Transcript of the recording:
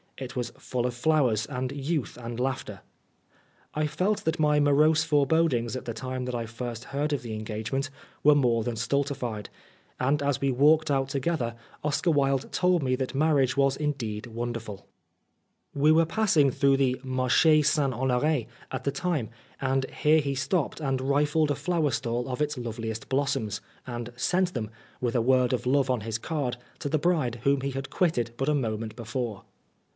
It was full of flowers and youth and laughter. I felt that my morose forebodings at the time that I first heard of the engagement were more than stultified ; and as we walked out together, Oscar Wilde told me that marriage was indeed wonderful. 92 OSCAR WILDE, FROM A DRAWING, 1882. To face p. 92. Oscar Wilde We were passing through the Marche St. Honor6 at the time, and here he stopped and rifled a flower stall of its loveliest blossoms, and sent them, with a word of love on his card, to the bride whom he had quitted but a moment before.